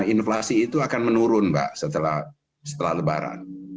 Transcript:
inflasi itu akan menurun mbak setelah lebaran